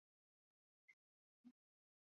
厄利斯的皮浪被认为是怀疑论鼻祖。